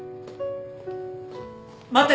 待って！